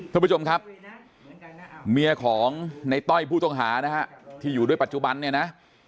ทุกผู้ชมครับเมียของในต้อยผู้ตรงหาที่อยู่ด้วยปัจจุบันนี้นะ